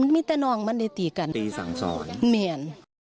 มีแต่น้องมันได้ตีกันตีสั่งสอนเมียน